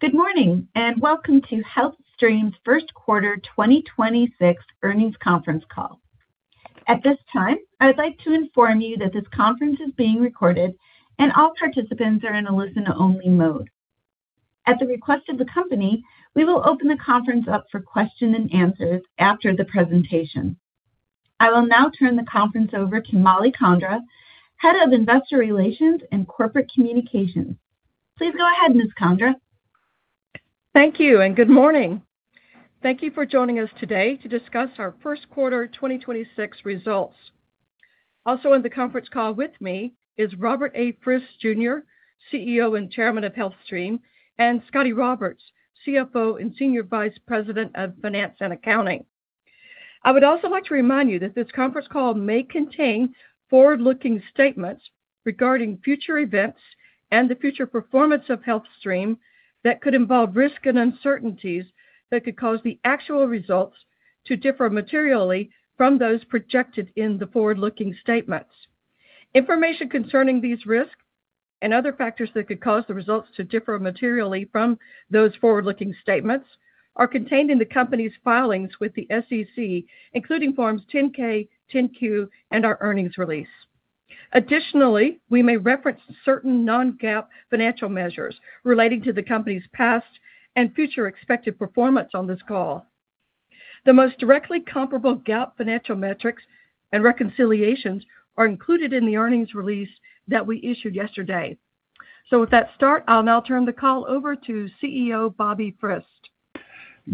Good morning, and welcome to HealthStream's first quarter 2026 earnings conference call. At this time, I would like to inform you that this conference is being recorded and all participants are in a listen only mode. At the request of the company, we will open the conference up for question and answers after the presentation. I will now turn the conference over to Mollie Condra, Head of Investor Relations and Corporate Communications. Please go ahead, Ms. Condra. Thank you, and good morning. Thank you for joining us today to discuss our first quarter 2026 results. Also on the conference call with me is Robert A. Frist Jr., CEO and Chairman of HealthStream, and Scotty Roberts, CFO and Senior Vice President of Finance and Accounting. I would also like to remind you that this conference call may contain forward-looking statements regarding future events and the future performance of HealthStream that could involve risks and uncertainties that could cause the actual results to differ materially from those projected in the forward-looking statements. Information concerning these risks and other factors that could cause the results to differ materially from those forward-looking statements are contained in the company's filings with the SEC, including Form 10-K, Form 10-Q, and our earnings release. Additionally, we may reference certain non-GAAP financial measures relating to the company's past and future expected performance on this call. The most directly comparable GAAP financial metrics and reconciliations are included in the earnings release that we issued yesterday. With that start, I'll now turn the call over to CEO, Bobby Frist.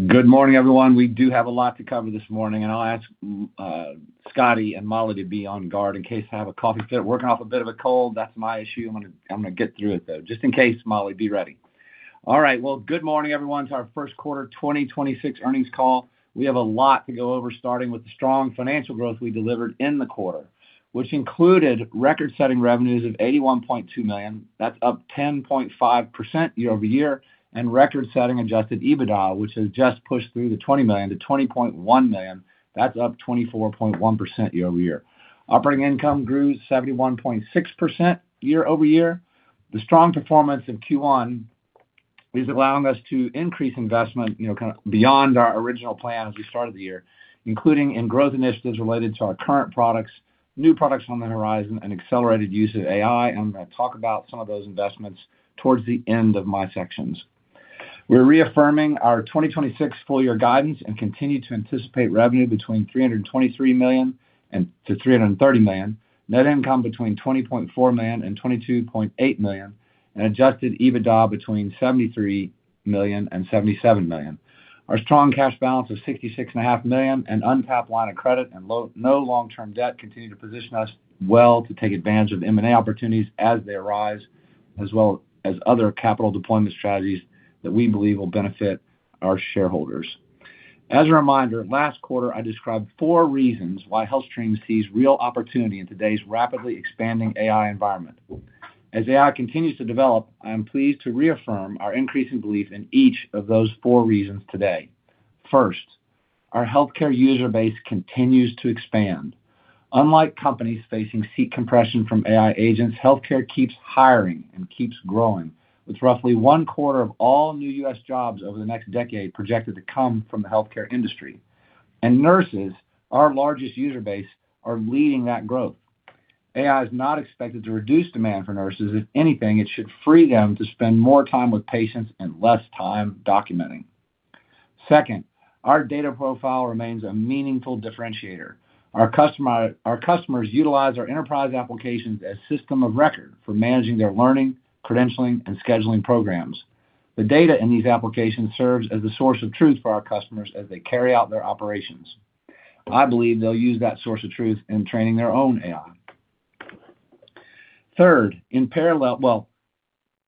Good morning, everyone. We do have a lot to cover this morning, and I'll ask Scotty and Mollie to be on guard in case I have a coffee fit. Working off a bit of a cold, that's my issue. I'm gonna get through it, though. Just in case, Mollie, be ready. All right. Well, good morning, everyone, to our first quarter 2026 earnings call. We have a lot to go over, starting with the strong financial growth we delivered in the quarter, which included record-setting revenues of $81.2 million. That's up 10.5% year-over-year. Record-setting adjusted EBITDA, which has just pushed through the $20 million to $20.1 million. That's up 24.1% year-over-year. Operating income grew 71.6% year-over-year. The strong performance in Q1 is allowing us to increase investment, you know, kind of beyond our original plan as we started the year, including in growth initiatives related to our current products, new products on the horizon, and accelerated use of AI. I'm gonna talk about some of those investments towards the end of my sections. We're reaffirming our 2026 full year guidance and continue to anticipate revenue between $323 million and $330 million, net income between $20.4 million and $22.8 million, and adjusted EBITDA between $73 million and $77 million. Our strong cash balance of $66.5 million and untapped line of credit and no long-term debt continue to position us well to take advantage of M&A opportunities as they arise, as well as other capital deployment strategies that we believe will benefit our shareholders. As a reminder, last quarter I described four reasons why HealthStream sees real opportunity in today's rapidly expanding AI environment. As AI continues to develop, I am pleased to reaffirm our increasing belief in each of those four reasons today. First, our healthcare user base continues to expand. Unlike companies facing seat compression from AI agents, healthcare keeps hiring and keeps growing, with roughly one-quarter of all new U.S. jobs over the next decade projected to come from the healthcare industry. And nurses, our largest user base, are leading that growth. AI is not expected to reduce demand for nurses. If anything, it should free them to spend more time with patients and less time documenting. Second, our data profile remains meaningful differentiator. Our customers utilize our enterprise applications as system of record for managing their learning, credentialing, and scheduling programs. The data in these applications serves as a source of truth for our customers as they carry out their operations. I believe they'll use that source of truth in training their own AI. Third, in parallel, well,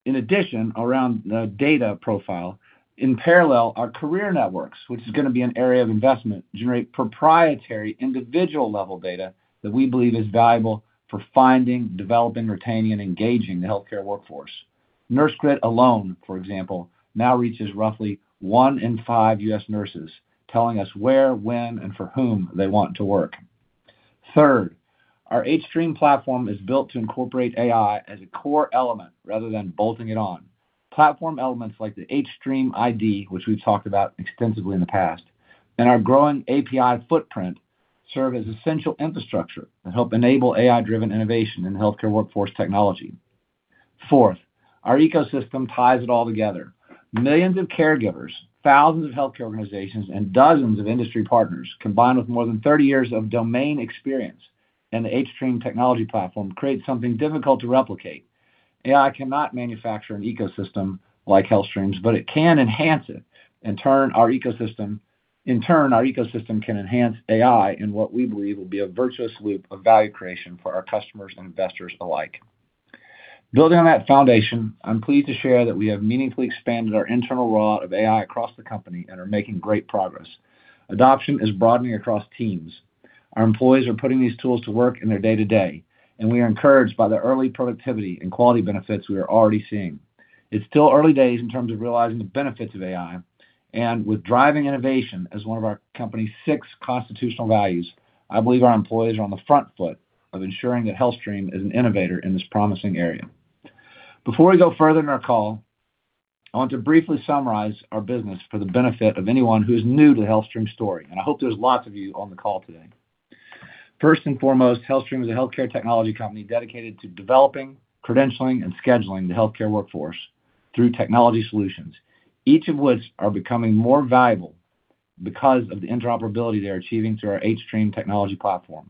in addition, around the data profile, in parallel, our career networks, which is gonna be an area of investment, generate proprietary individual level data that we believe is valuable for finding, developing, retaining, and engaging the healthcare workforce. NurseGrid alone, for example, now reaches roughly 1 in 5 U.S. nurses, telling us where, when, and for whom they want to work. Third, our hStream platform is built to incorporate AI as a core element rather than bolting it on. Platform elements like the hStream ID, which we've talked about extensively in the past, and our growing API footprint serve as essential infrastructure to help enable AI-driven innovation in healthcare workforce technology. Fourth, our ecosystem ties it all together. Millions of caregivers, thousands of healthcare organizations, and dozens of industry partners, combined with more than 30 years of domain experience in the hStream technology platform, creates something difficult to replicate. AI cannot manufacture an ecosystem like HealthStream's, but it can enhance it. In turn, our ecosystem can enhance AI in what we believe will be a virtuous loop of value creation for our customers and investors alike. Building on that foundation, I'm pleased to share that we have meaningfully expanded our internal rollout of AI across the company and are making great progress. Adoption is broadening across teams. Our employees are putting these tools to work in their day-to-day, and we are encouraged by the early productivity and quality benefits we are already seeing. It's still early days in terms of realizing the benefits of AI. With driving innovation as one of our company's six constitutional values, I believe our employees are on the front foot of ensuring that HealthStream is an innovator in this promising area. Before we go further in our call, I want to briefly summarize our business for the benefit of anyone who's new to HealthStream's story, and I hope there's lots of you on the call today. First and foremost, HealthStream is a healthcare technology company dedicated to developing, credentialing, and scheduling the healthcare workforce through technology solutions, each of which are becoming more valuable because of the interoperability they are achieving through our hStream technology platform.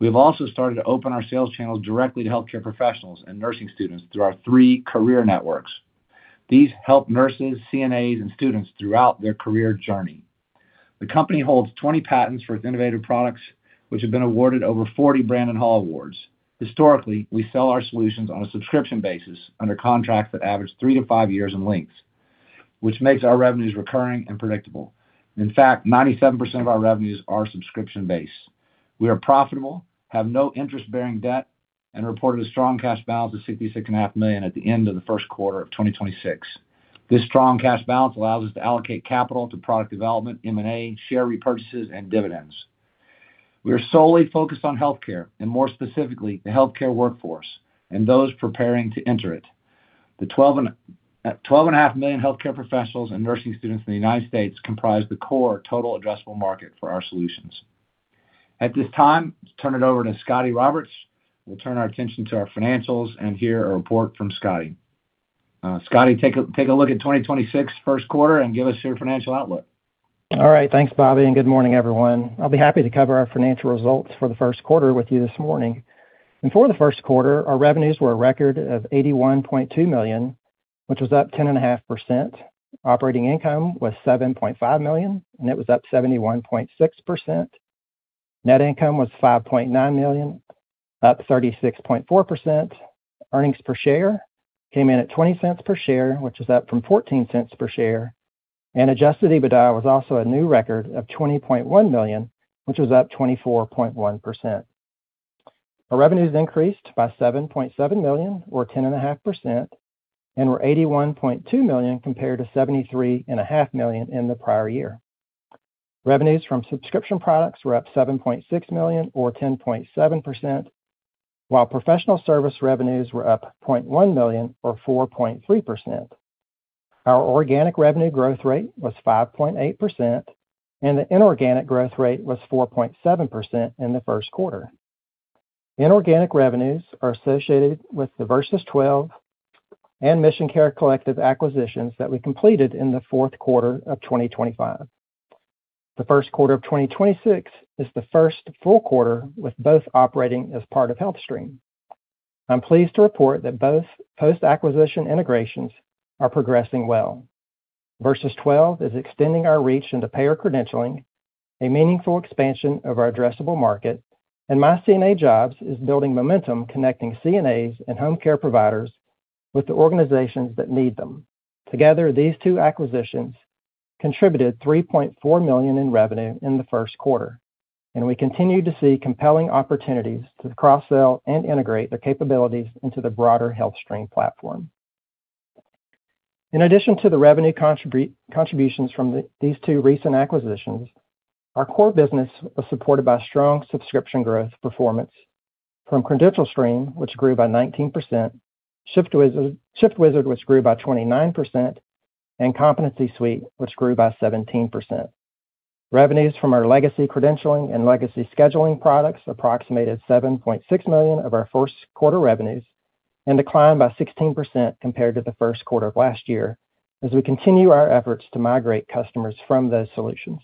We have also started to open our sales channels directly to healthcare professionals and nursing students through our three career networks. These help nurses, CNAs, and students throughout their career journey. The company holds 20 patents for its innovative products, which have been awarded over 40 Brandon Hall awards. Historically, we sell our solutions on a subscription basis under contracts that average three to five years in length, which makes our revenues recurring and predictable. In fact, 97% of our revenues are subscription-based. We are profitable, have no interest-bearing debt, and reported a strong cash balance of $66.5 million at the end of the first quarter of 2026. This strong cash balance allows us to allocate capital to product development, M&A, share repurchases, and dividends. We are solely focused on healthcare and more specifically, the healthcare workforce and those preparing to enter it. The 12.5 million healthcare professionals and nursing students in the U.S. comprise the core total addressable market for our solutions. At this time, let's turn it over to Scotty Roberts, who will turn our attention to our financials and hear a report from Scotty. Scotty, take a look at 2026 first quarter and give us your financial outlook. All right. Thanks, Bobby, and good morning, everyone. I'll be happy to cover our financial results for the first quarter with you this morning. For the first quarter, our revenues were a record of $81.2 million, which was up 10.5%. Operating income was $7.5 million, and it was up 71.6%. Net income was $5.9 million, up 36.4%. Earnings per share came in at $0.20 per share, which is up from $0.14 per share. And adjusted EBITDA was also a new record of $20.1 million, which was up 24.1%. Our revenues increased by $7.7 million or 10.5% and were $81.2 million compared to $73.5 million in the prior year. Revenues from subscription products were up $7.6 million or 10.7%, while professional service revenues were up $0.1 million or 4.3%. Our organic revenue growth rate was 5.8%, and the inorganic growth rate was 4.7% in the first quarter. Inorganic revenues are associated with the Virsys12 and MissionCare Collective acquisitions that we completed in the fourth quarter of 2025. The first quarter of 2026 is the first full quarter with both operating as part of HealthStream. I'm pleased to report that both post-acquisition integrations are progressing well. Virsys12 is extending our reach into payer credentialing, a meaningful expansion of our addressable market, and myCNAjobs is building momentum, connecting CNAs and home care providers with the organizations that need them. Together, these two acquisitions contributed $3.4 million in revenue in the first quarter, and we continue to see compelling opportunities to cross-sell and integrate their capabilities into the broader hStream platform. In addition to the revenue contributions from these two recent acquisitions, our core business was supported by strong subscription growth performance from CredentialStream, which grew by 19%, ShiftWizard, which grew by 29%, and Competency Suite, which grew by 17%. Revenues from our legacy credentialing and legacy scheduling products approximated $7.6 million of our first quarter revenues and declined by 16% compared to the first quarter of last year, as we continue our efforts to migrate customers from those solutions.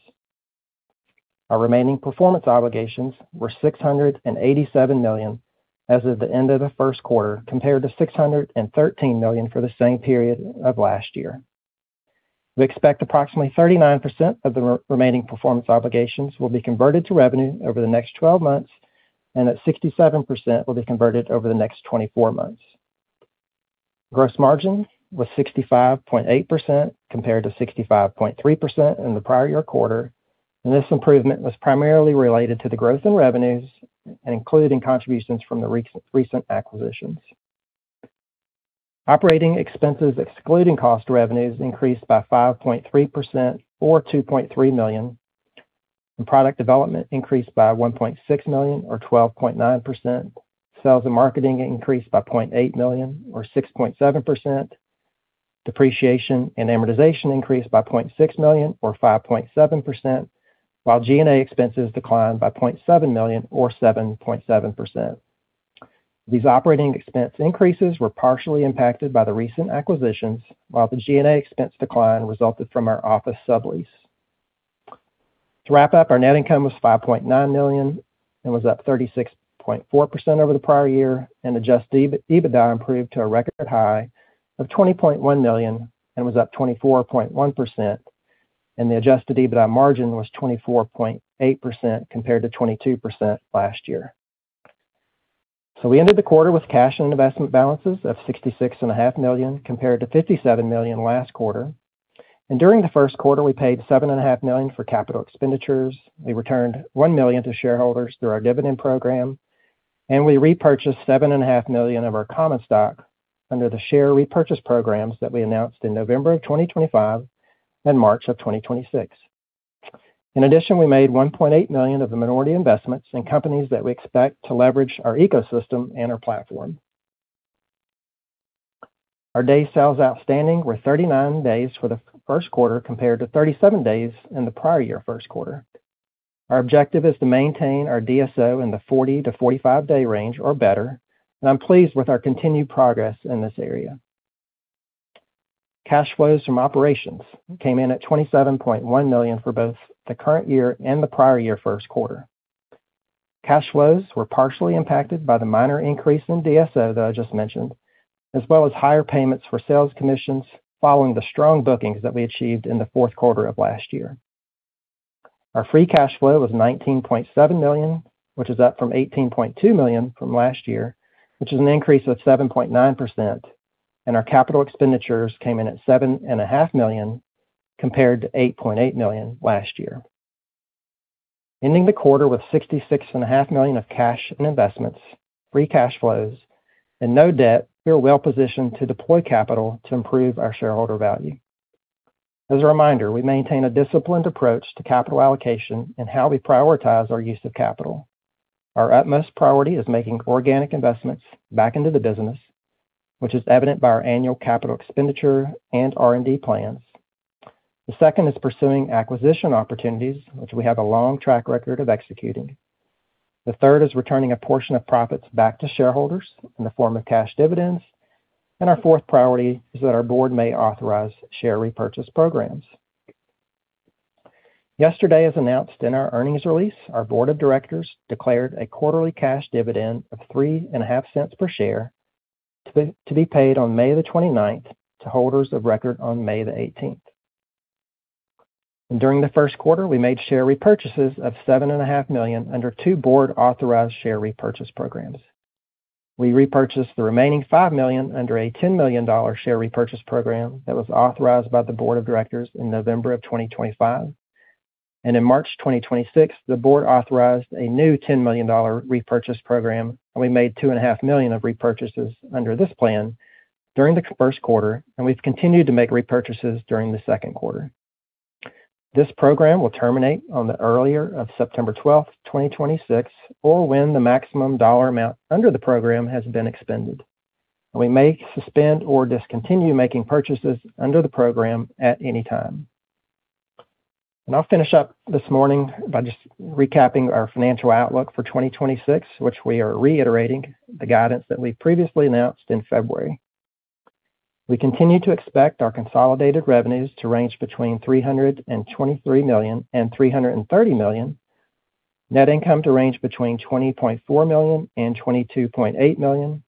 Our remaining performance obligations were $687 million as of the end of the first quarter, compared to $613 million for the same period of last year. We expect approximately 39% of the remaining performance obligations will be converted to revenue over the next 12 months and that 67% will be converted over the next 24 months. Gross margin was 65.8% compared to 65.3% in the prior year quarter. This improvement was primarily related to the growth in revenues, including contributions from the recent acquisitions. Operating expenses, excluding cost of revenues, increased by 5.3% or $2.3 million. Product development increased by $1.6 million or 12.9%. Sales and marketing increased by $0.8 million or 6.7%. Depreciation and amortization increased by $0.6 million or 5.7%, while G&A expenses declined by $0.7 million or 7.7%. These operating expense increases were partially impacted by the recent acquisitions, while the G&A expense decline resulted from our office sublease. To wrap up, our net income was $5.9 million and was up 36.4% over the prior year, and adjusted EBITDA improved to a record high of $20.1 million and was up 24.1%, and the adjusted EBITDA margin was 24.8% compared to 22% last year. We ended the quarter with cash and investment balances of $66.5 million, compared to $57 million last quarter. During the first quarter, we paid $7.5 million for capital expenditures. We returned $1 million to shareholders through our dividend program, and we repurchased $7.5 million of our common stock. Under the share repurchase programs that we announced in November of 2025 and March of 2026. In addition, we made $1.8 million of the minority investments in companies that we expect to leverage our ecosystem and our platform. Our day sales outstanding were 39 days for the first quarter compared to 37 days in the prior year first quarter. Our objective is to maintain our DSO in the 40-45 day range or better. I'm pleased with our continued progress in this area. Cash flows from operations came in at $27.1 million for both the current year and the prior year first quarter. Cash flows were partially impacted by the minor increase in DSO that I just mentioned, as well as higher payments for sales commissions following the strong bookings that we achieved in the fourth quarter of last year. Our free cash flow was $19.7 million, which is up from $18.2 million from last year, which is an increase of 7.9%. Capital expenditures came in at $7.5 million, compared to $8.8 million last year. Ending the quarter with $66.5 million of cash and investments, free cash flows and no debt, we are well-positioned to deploy capital to improve our shareholder value. As a reminder, we maintain a disciplined approach to capital allocation and how we prioritize our use of capital. Our utmost priority is making organic investments back into the business, which is evident by our annual CapEx and R&D plans. The second is pursuing acquisition opportunities, which we have a long track record of executing. The third is returning a portion of profits back to shareholders in the form of cash dividends. Our fourth priority is that our board may authorize share repurchase programs. Yesterday, as announced in our earnings release, our Board of Directors declared a quarterly cash dividend of $0.035 per share to be paid on May 29th to holders of record on May 18th. During the first quarter, we made share repurchases of $7.5 million under two board-authorized share repurchase programs. We repurchased the remaining $5 million under a $10 million share repurchase program that was authorized by the Board of Directors in November 2025. In March 2026, the Board authorized a new $10 million repurchase program, and we made 2.5 million of repurchases under this plan during the first quarter, and we've continued to make repurchases during the seconnd quarter. This program will terminate on the earlier of September 12th, 2026 or when the maximum dollar amount under the program has been expended. We may suspend or discontinue making purchases under the program at any time. I'll finish up this morning by just recapping our financial outlook for 2026, which we are reiterating the guidance that we previously announced in February. We continue to expect our consolidated revenues to range between $323 million and $330 million, net income to range between $20.4 million and $22.8 million,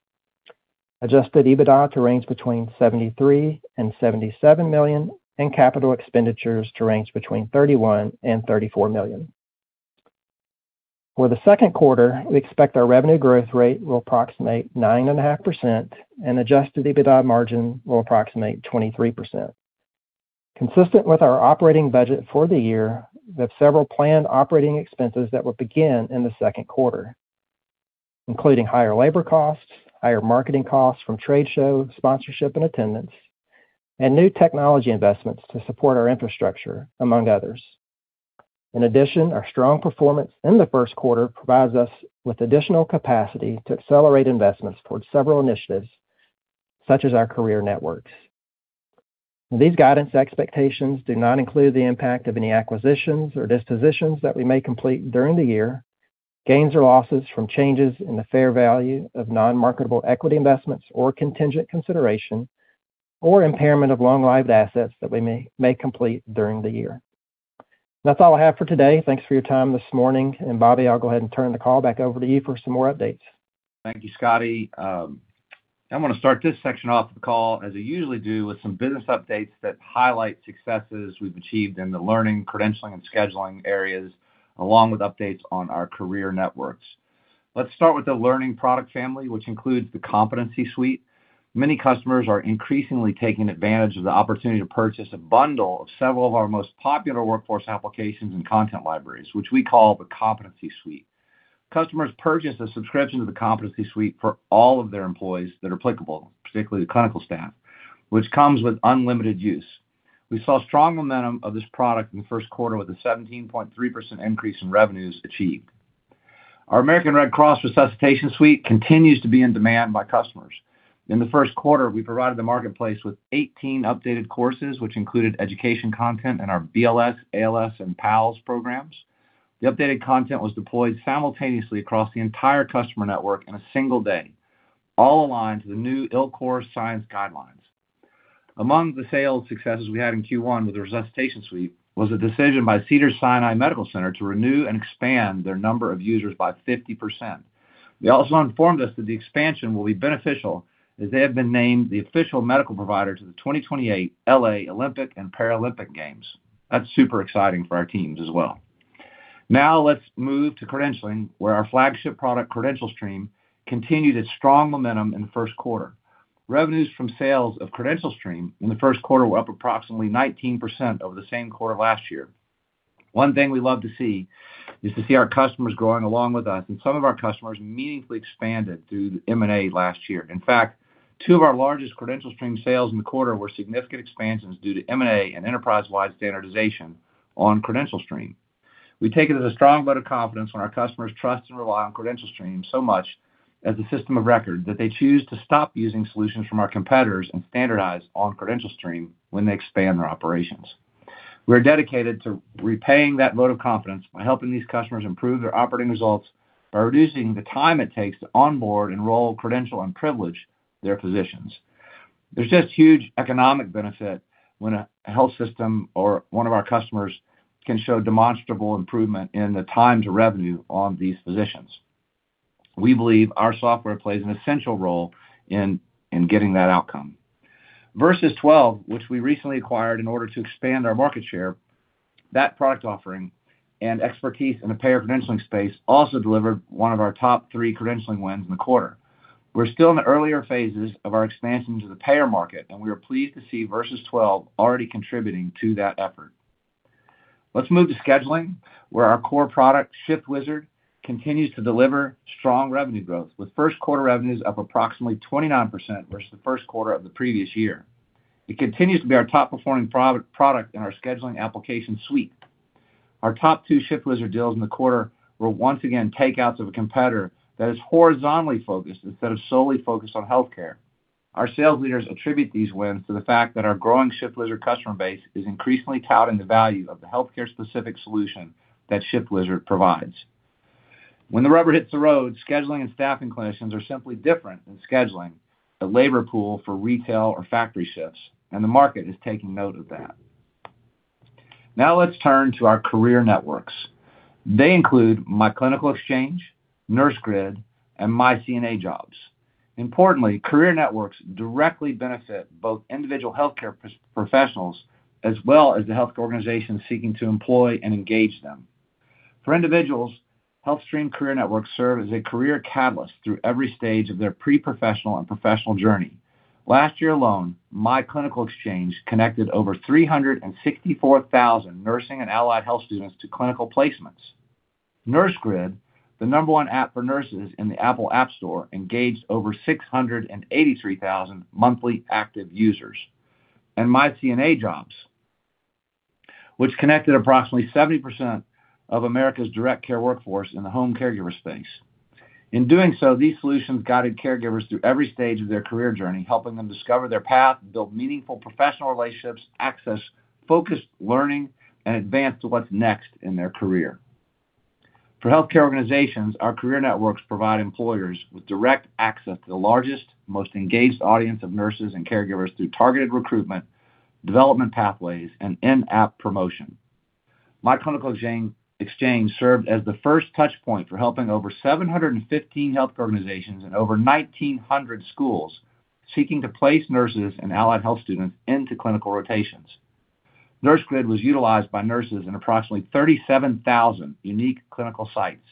adjusted EBITDA to range between $73 million and $77 million, and capital expenditures to range between $31 million and $34 million. For the second quarter, we expect our revenue growth rate will approximate 9.5% and adjusted EBITDA margin will approximate 23%. Consistent with our operating budget for the year, we have several planned operating expenses that will begin in the second quarter, including higher labor costs, higher marketing costs from trade show sponsorship and attendance, and new technology investments to support our infrastructure, among others. In addition, our strong performance in the first quarter provides us with additional capacity to accelerate investments towards several initiatives, such as our career networks. These guidance expectations do not include the impact of any acquisitions or dispositions that we may complete during the year, gains or losses from changes in the fair value of non-marketable equity investments or contingent consideration, or impairment of long-lived assets that we may complete during the year. That's all I have for today. Thanks for your time this morning. Bobby, I'll go ahead and turn the call back over to you for some more updates. Thank you, Scotty. I wanna start this section off the call, as I usually do, with some business updates that highlight successes we've achieved in the learning, credentialing, and scheduling areas, along with updates on our career networks. Let's start with the learning product family, which includes the Competency Suite. Many customers are increasingly taking advantage of the opportunity to purchase a bundle of several of our most popular workforce applications and content libraries, which we call the Competency Suite. Customers purchase a subscription to the Competency Suite for all of their employees that are applicable, particularly the clinical staff, which comes with unlimited use. We saw strong momentum of this product in the first quarter with a 17.3% increase in revenues achieved. Our American Red Cross Resuscitation Suite continues to be in demand by customers. In the first quarter, we provided the marketplace with 18 updated courses, which included education content in our BLS, ALS, and PALS programs. The updated content was deployed simultaneously across the entire customer network in a single day, all aligned to the new ILCOR science guidelines. Among the sales successes we had in Q1 with the Resuscitation Suite was a decision by Cedars-Sinai Medical Center to renew and expand their number of users by 50%. They also informed us that the expansion will be beneficial as they have been named the official medical provider to the 2028 L.A. Olympic and Paralympic Games. That's super exciting for our teams as well. Let's move to credentialing, where our flagship product, CredentialStream, continued its strong momentum in the first quarter. Revenues from sales of CredentialStream in the first quarter were up approximately 19% over the same quarter last year. One thing we love to see is to see our customers growing along with us, and some of our customers meaningfully expanded through the M&A last year. In fact, two of our largest CredentialStream sales in the quarter were significant expansions due to M&A and enterprise-wide standardization on CredentialStream. We take it as a strong vote of confidence when our customers trust and rely on CredentialStream so much as a system of record that they choose to stop using solutions from our competitors and standardize on CredentialStream when they expand their operations. We're dedicated to repaying that vote of confidence by helping these customers improve their operating results by reducing the time it takes to onboard, enroll, credential, and privilege their physicians. There's just huge economic benefit when a health system or one of our customers can show demonstrable improvement in the time to revenue on these physicians. We believe our software plays an essential role in getting that outcome. Virsys12, which we recently acquired in order to expand our market share, that product offering and expertise in the payer credentialing space also delivered one of our top three credentialing wins in the quarter. We're still in the earlier phases of our expansion to the payer market, and we are pleased to see Virsys12 already contributing to that effort. Let's move to scheduling, where our core product, ShiftWizard, continues to deliver strong revenue growth, with first quarter revenues up approximately 29% versus the first quarter of the previous year. It continues to be our top-performing product in our scheduling application suite. Our top two ShiftWizard deals in the quarter were once again takeouts of a competitor that is horizontally focused instead of solely focused on healthcare. Our sales leaders attribute these wins to the fact that our growing ShiftWizard customer base is increasingly touting the value of the healthcare-specific solution that ShiftWizard provides. When the rubber hits the road, scheduling and staffing clinicians are simply different than scheduling the labor pool for retail or factory shifts, and the market is taking note of that. Let's turn to our career networks. They include myClinicalExchange, NurseGrid, and myCNAjobs. Importantly, career networks directly benefit both individual healthcare professionals as well as the healthcare organizations seeking to employ and engage them. For individuals, HealthStream career networks serve as a career catalyst through every stage of their pre-professional and professional journey. Last year alone, myClinicalExchange connected over 364,000 nursing and allied health students to clinical placements. NurseGrid, the number one app for nurses in the Apple App Store, engaged over 683,000 monthly active users. myCNAjobs, which connected approximately 70% of America's direct care workforce in the home caregiver space. In doing so, these solutions guided caregivers through every stage of their career journey, helping them discover their path, build meaningful professional relationships, access focused learning, and advance to what's next in their career. For healthcare organizations, our career networks provide employers with direct access to the largest, most engaged audience of nurses and caregivers through targeted recruitment, development pathways, and in-app promotion. MyClinicalExchange served as the first touch point for helping over 715 health organizations and over 1,900 schools seeking to place nurses and allied health students into clinical rotations. NurseGrid was utilized by nurses in approximately 37,000 unique clinical sites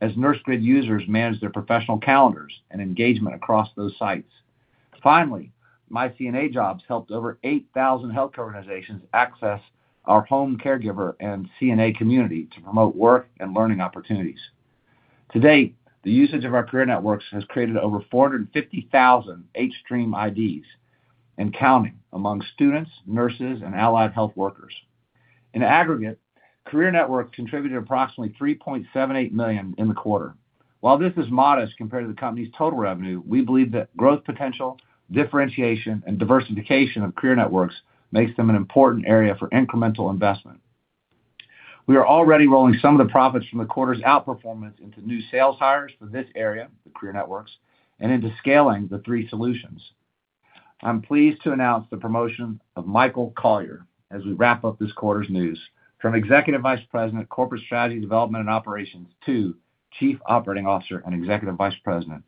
as NurseGrid users manage their professional calendars and engagement across those sites. Finally, myCNAjobs helped over 8,000 healthcare organizations access our home caregiver and CNA community to promote work and learning opportunities. To date, the usage of our career networks has created over 450,000 hStream IDs and counting among students, nurses, and allied health workers. In aggregate, career networks contributed approximately $3.78 million in the quarter. While this is modest compared to the company's total revenue, we believe that growth potential, differentiation, and diversification of career networks makes them an important area for incremental investment. We are already rolling some of the profits from the quarter's outperformance into new sales hires for this area, the career networks, and into scaling the three solutions. I'm pleased to announce the promotion of Michael Collier as we wrap up this quarter's news from Executive Vice President of Corporate Strategy, Development and Operations to Chief Operating Officer and Executive Vice President.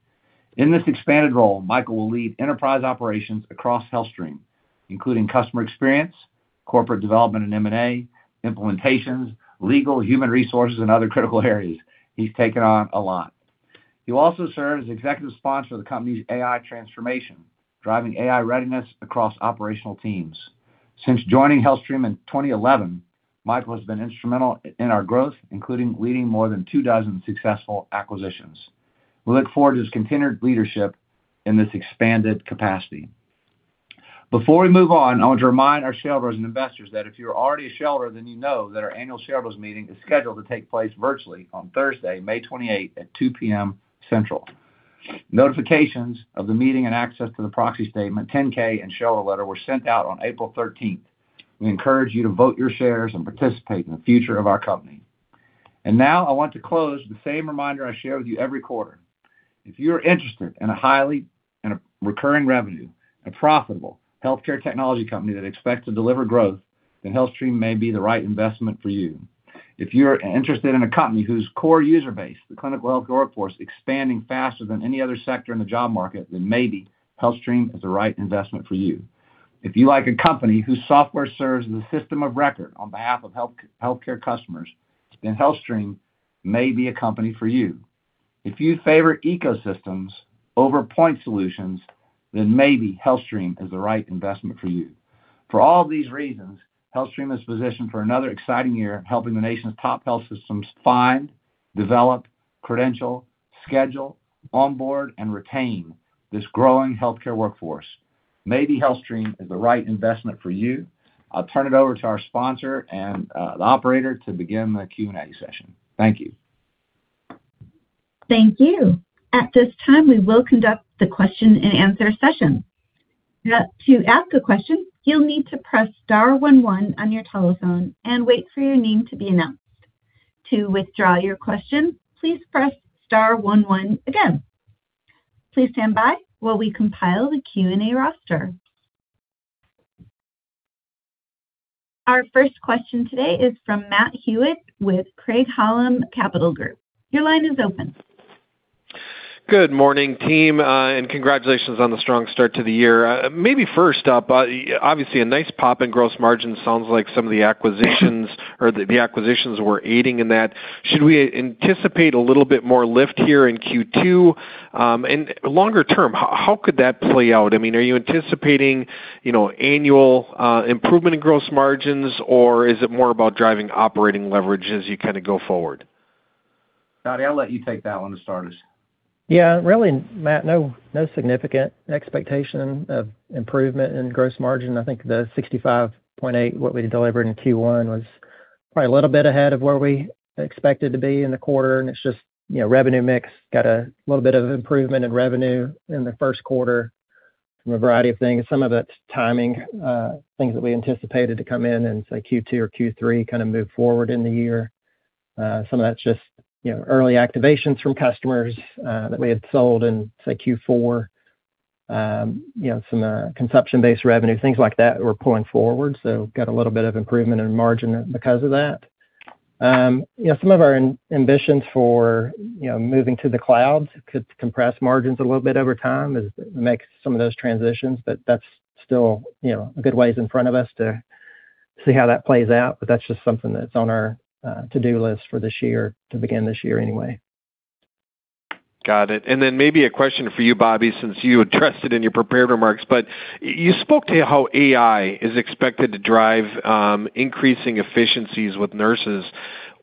In this expanded role, Michael will lead enterprise operations across HealthStream, including customer experience, corporate development and M&A, implementations, legal, human resources, and other critical areas. He's taken on a lot. He will also serve as executive sponsor of the company's AI transformation, driving AI readiness across operational teams. Since joining HealthStream in 2011, Michael has been instrumental in our growth, including leading more than two dozen successful acquisitions. We look forward to his continued leadership in this expanded capacity. Before we move on, I want to remind our shareholders and investors that if you're already a shareholder, then you know that our annual shareholders meeting is scheduled to take place virtually on Thursday, May 28th at 2:00 P.M. Central. Notifications of the meeting and access to the proxy statement, 10-K, and shareholder letter were sent out on April 13th. We encourage you to vote your shares and participate in the future of our company. Now I want to close with the same reminder I share with you every quarter. If you're interested in a recurring revenue and profitable healthcare technology company that expects to deliver growth, then HealthStream may be the right investment for you. If you're interested in a company whose core user base, the clinical workforce, expanding faster than any other sector in the job market, then maybe HealthStream is the right investment for you. If you like a company whose software serves as a system of record on behalf of healthcare customers, then HealthStream may be a company for you. If you favor ecosystems over point solutions, then maybe HealthStream is the right investment for you. For all these reasons, HealthStream is positioned for another exciting year of helping the nation's top health systems find, develop, credential, schedule, onboard, and retain this growing healthcare workforce. Maybe HealthStream is the right investment for you. I'll turn it over to our sponsor and the operator to begin the Q&A session. Thank you. Thank you. At this time, we will conduct the question and answer session. Now to ask a question, you'll need to press star one one on your telephone and wait for your name to be announced. To withdraw your question, please press star one one again. Please stand by while we compile the Q&A roster. Our first question today is from Matt Hewitt with Craig-Hallum Capital Group. Your line is open. Good morning, team, congratulations on the strong start to the year. Maybe first up, obviously, a nice pop in gross margin. Sounds like some of the acquisitions or the acquisitions were aiding in that. Should we anticipate a little bit more lift here in Q2? Longer term, how could that play out? I mean, are you anticipating, you know, annual improvement in gross margins, or is it more about driving operating leverage as you kinda go forward? Scotty, I'll let you take that one to start us. Yeah. Really, Matt, no significant expectation of improvement in gross margin. I think the 65.8% what we delivered in Q1, was probably a little bit ahead of where we expected to be in the quarter, and it's just, you know, revenue mix. We got a little bit of improvement in revenue in the first quarter from a variety of things. Some of it's timing, things that we anticipated to come in in, say, Q2 or Q3 kinda moved forward in the year. Some of that's just, you know, early activations from customers that we had sold in, say, Q4. You know, some consumption-based revenue, things like that were pulling forward, so got a little bit of improvement in margin because of that. You know, some of our ambitions for, you know, moving to the cloud could compress margins a little bit over time as make some of those transitions, but that's still, you know, a good ways in front of us to see how that plays out. That's just something that's on our to-do list for this year, to begin this year, anyway. Got it. Maybe a question for you, Bobby, since you addressed it in your prepared remarks. You spoke to how AI is expected to drive increasing efficiencies with nurses.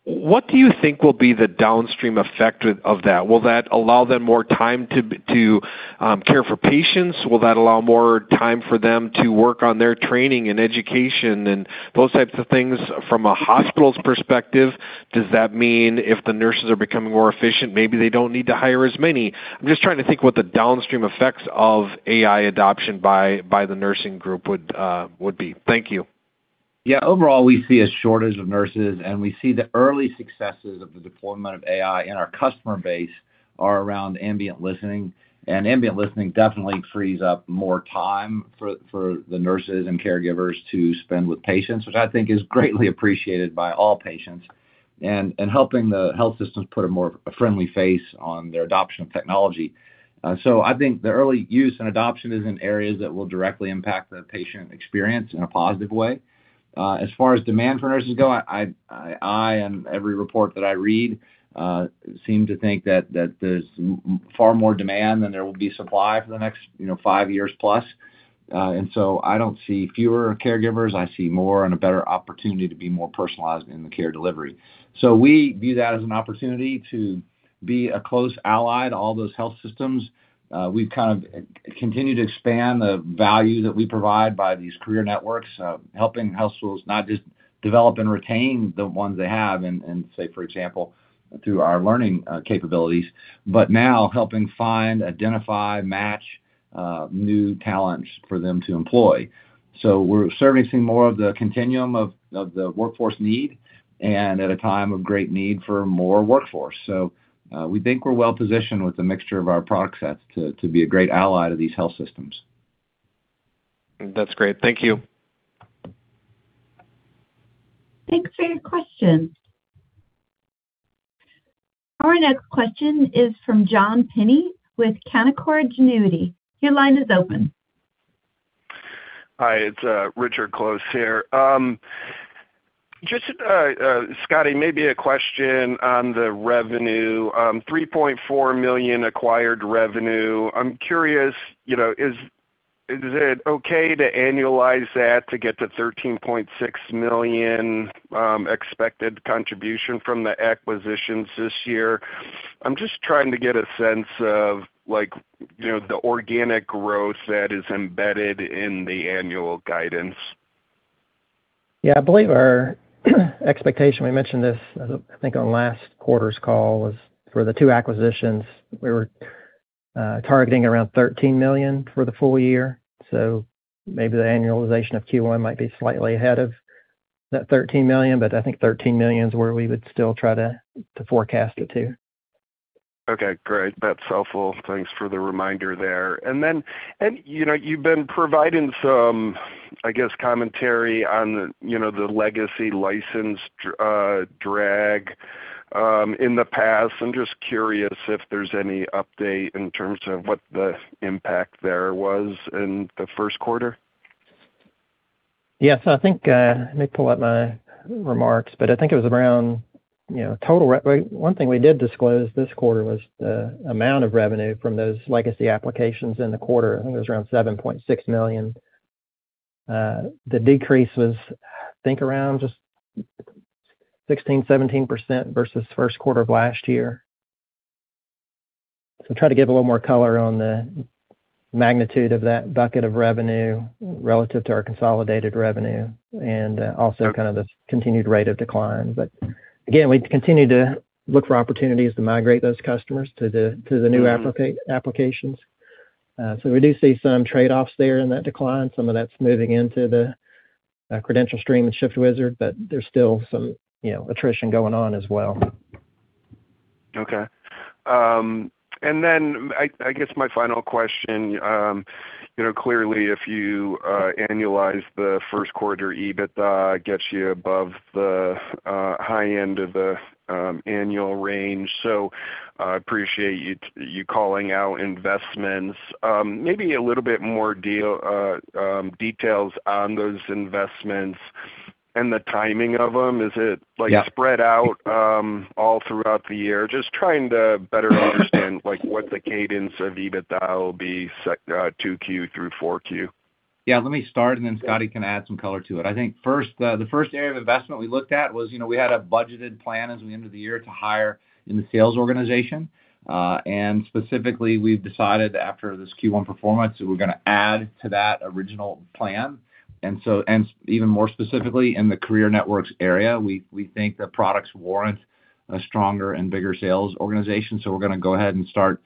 What do you think will be the downstream effect of that? Will that allow them more time to care for patients? Will that allow more time for them to work on their training and education and those types of things? From a hospital's perspective, does that mean if the nurses are becoming more efficient, maybe they don't need to hire as many? I'm just trying to think what the downstream effects of AI adoption by the nursing group would be. Thank you. Yeah. Overall, we see a shortage of nurses. We see the early successes of the deployment of AI in our customer base are around ambient listening. Ambient listening definitely frees up more time for the nurses and caregivers to spend with patients, which I think is greatly appreciated by all patients, helping the health systems put a more friendly face on their adoption of technology. I think the early use and adoption is in areas that will directly impact the patient experience in a positive way. As far as demand for nurses go, I in every report that I read, seem to think that there's far more demand than there will be supply for the next, you know, five years plus. I don't see fewer caregivers. I see more and a better opportunity to be more personalized in the care delivery. We view that as an opportunity to be a close ally to all those health systems. We've kind of continued to expand the value that we provide by these career networks, helping health schools not just develop and retain the ones they have and say, for example, through our learning capabilities, but now helping find, identify, match new talents for them to employ. We're servicing more of the continuum of the workforce need and at a time of great need for more workforce. We think we're well-positioned with the mixture of our product sets to be a great ally to these health systems. That's great. Thank you. Thanks for your question. Our next question is from John Pinney with Canaccord Genuity. Your line is open. Hi. It's Richard Close here. Just Scotty, maybe a question on the revenue. $3.4 million acquired revenue. I'm curious, you know, is it okay to annualize that to get to $13.6 million expected contribution from the acquisitions this year? I'm just trying to get a sense of like, you know, the organic growth that is embedded in the annual guidance. I believe our expectation, we mentioned this, I think on last quarter's call, was for the two acquisitions, we were targeting around $13 million for the full year. Maybe the annualization of Q1 might be slightly ahead of that $13 million, I think $13 million is where we would still try to forecast it to. Okay. Great. That's helpful. Thanks for the reminder there. You know, you've been providing some, I guess, commentary on, you know, the legacy license drag in the past. I'm just curious if there's any update in terms of what the impact there was in the first quarter. Yes, I think, let me pull up my remarks. I think it was around, you know, total. One thing we did disclose this quarter was the amount of revenue from those legacy applications in the quarter. I think it was around $7.6 million. The decrease was, I think, around just 16%-17% versus first quarter of last year. Try to give a little more color on the magnitude of that bucket of revenue relative to our consolidated revenue and also kind of the continued rate of decline. Again, we continue to look for opportunities to migrate those customers to the new applications. We do see some trade-offs there in that decline. Some of that's moving into the CredentialStream and ShiftWizard. There's still some, you know, attrition going on as well. Okay. And then, I guess my final question, you know, clearly if you annualize the first quarter EBITDA, it gets you above the high end of the annual range. So I appreciate you calling out investments. Maybe a little bit more details on those investments and the timing of them. Is it? Yeah. Like spread out, all throughout the year? Just trying to better understand, like what the cadence of EBITDA will be 2Q through 4Q. Yeah, let me start, and then Scotty can add some color to it. I think first, the first area of investment we looked at was, you know, we had a budgeted plan as we ended the year to hire in the sales organization. Specifically, we've decided after this Q1 performance that we're going to add to that original plan. And so, even more specifically in the Career Networks area, we think the products warrant a stronger and bigger sales organization. We're going to go ahead and start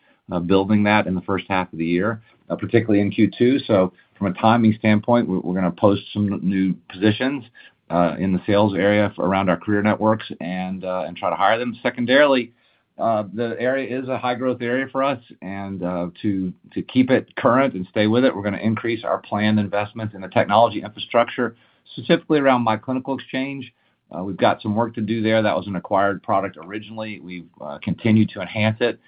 building that in the first half of the year, particularly in Q2. From a timing standpoint, we're going to post some new positions in the sales area around our Career Networks and try to hire them. Secondarily, the area is a high-growth area for us, and to keep it current and stay with it, we're gonna increase our planned investment in the technology infrastructure, specifically around myClinicalExchange. We've got some work to do there. That was an acquired product originally. We've continued to enhance it.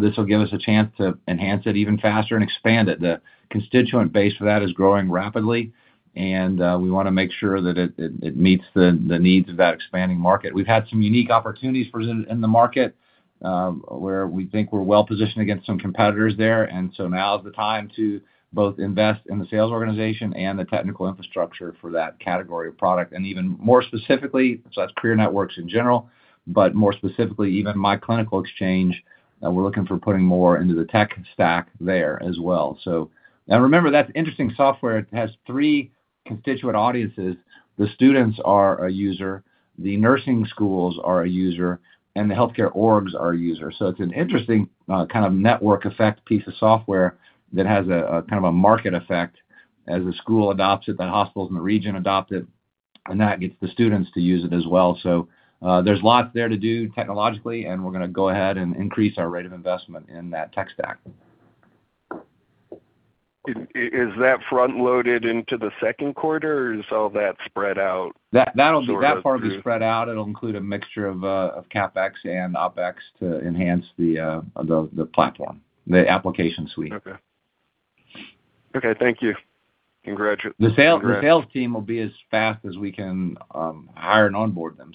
This will give us a chance to enhance it even faster and expand it. The constituent base for that is growing rapidly, and we wanna make sure that it meets the needs of that expanding market. We've had some unique opportunities present in the market, where we think we're well-positioned against some competitors there. Now is the time to both invest in the sales organization and the technical infrastructure for that category of product. Even more specifically, that's career networks in general, but more specifically, even myClinicalExchange, we're looking for putting more into the tech stack there as well. Now remember, that's interesting software. It has three constituent audiences. The students are a user, the nursing schools are a user, and the healthcare orgs are a user. It's an interesting, kind of network effect piece of software that has a kind of a market effect. As the school adopts it, the hospitals in the region adopt it, and that gets the students to use it as well. There's lots there to do technologically, and we're gonna go ahead and increase our rate of investment in that tech stack. Is that front-loaded into the second quarter, or is all that spread out- That- Sort of through- That part will be spread out. It'll include a mixture of CapEx and OpEx to enhance the platform, the application suite. Okay. Okay, thank you. The sales team will be as fast as we can hire and onboard them.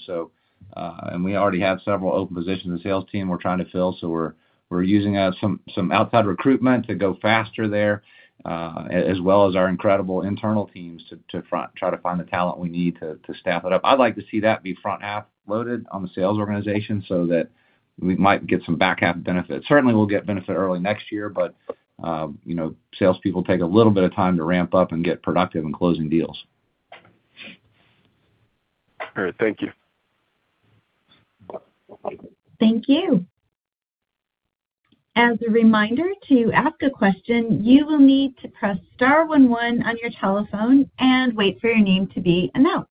We already have several open positions in the sales team we're trying to fill, so we're using some outside recruitment to go faster there, as well as our incredible internal teams to try to find the talent we need to staff it up. I'd like to see that be front half loaded on the sales organization so that we might get some back half benefit. Certainly we'll get benefit early next year, but, you know, salespeople take a little bit of time to ramp up and get productive in closing deals. All right. Thank you. Thank you. As a reminder, to ask a question, you will need to press star one one on your telephone and wait for your name to be announced.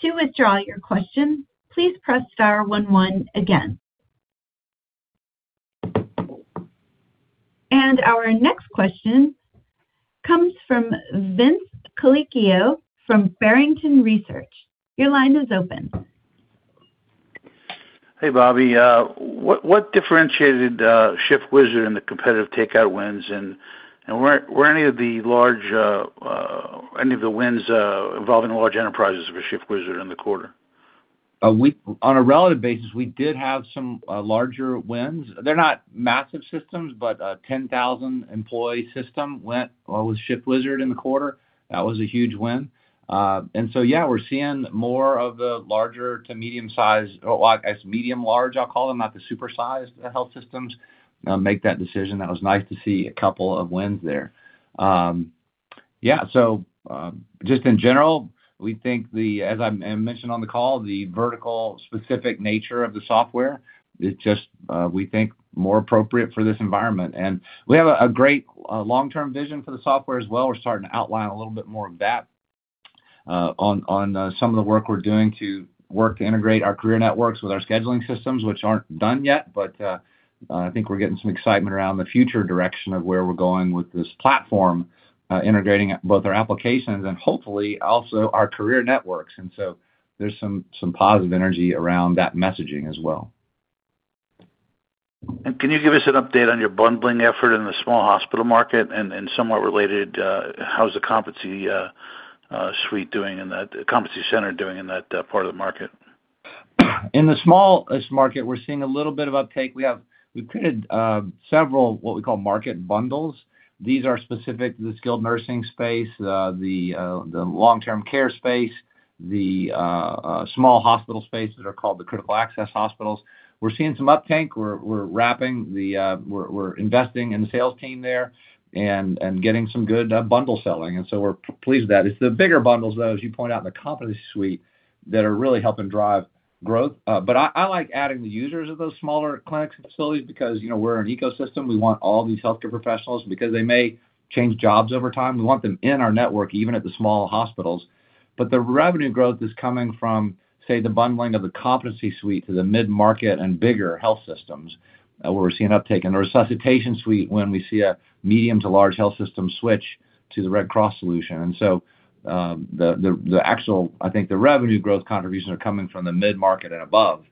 To withdraw your question, please press star one one again. Our next question comes from Vince Colicchio from Barrington Research. Your line is open. Hey, Bobby. What differentiated, ShiftWizard in the competitive takeout wins? Were any of the wins, involving large enterprises with ShiftWizard in the quarter? On a relative basis, we did have some larger wins. They're not massive systems, but a 10,000 employee system went with ShiftWizard in the quarter. That was a huge win. And so, yeah, we're seeing more of the larger to medium-sized, or as medium-large, I'll call them, not the super sized health systems, make that decision. That was nice to see a couple of wins there. Yeah. So just in general, we think the, as I mentioned on the call, the vertical specific nature of the software is just, we think more appropriate for this environment. We have a great long-term vision for the software as well. We're starting to outline a little bit more of that, on some of the work we're doing to work to integrate our career networks with our scheduling systems, which aren't done yet, but I think we're getting some excitement around the future direction of where we're going with this platform, integrating both our applications and hopefully also our career networks. And so, there's some positive energy around that messaging as well. Can you give us an update on your bundling effort in the small hospital market? And somewhat related, how's the competency center doing in that part of the market? In the smallest market, we're seeing a little bit of uptake. We've created several what we call market bundles. These are specific to the skilled nursing space, the long-term care space, the small hospital space that are called the critical access hospitals. We're seeing some uptake. We're investing in the sales team there and getting some good bundle selling, we're pleased with that. It's the bigger bundles, though, as you point out, in the Competency Suite that are really helping drive growth. I like adding the users of those smaller clinics and facilities because, you know, we're an ecosystem. We want all these healthcare professionals because they may change jobs over time. We want them in our network, even at the small hospitals. But the revenue growth is coming from, say, the bundling of the Competency Suite to the mid-market and bigger health systems, where we're seeing uptake. In the Resuscitation Suite, when we see a medium to large health system switch to the Red Cross solution. The actual I think the revenue growth contributions are coming from the mid-market and above.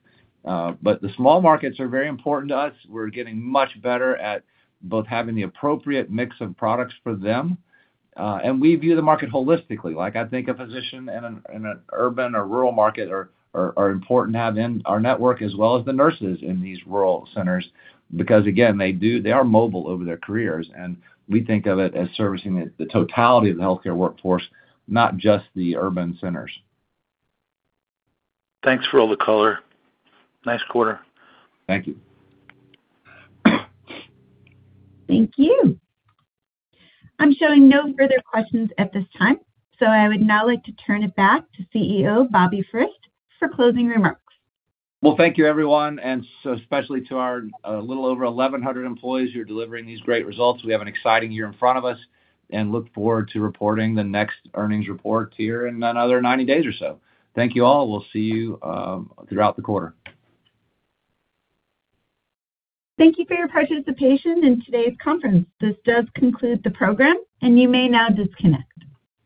But the small markets are very important to us. We're getting much better at both having the appropriate mix of products for them, and we view the market holistically. Like, I think a physician in an urban or rural market are important to have in our network as well as the nurses in these rural centers because, again, they are mobile over their careers, and we think of it as servicing the totality of the healthcare workforce, not just the urban centers. Thanks for all the color. Nice quarter. Thank you. Thank you. I'm showing no further questions at this time, I would now like to turn it back to CEO Bobby Frist for closing remarks. Well, thank you, everyone, and so especially to our little over 1,100 employees who are delivering these great results. We have an exciting year in front of us and look forward to reporting the next earnings report here in another 90 days or so. Thank you, all. We'll see you throughout the quarter. Thank you for your participation in today's conference. This does conclude the program, and you may now disconnect.